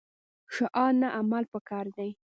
شعار نه عمل پکار دی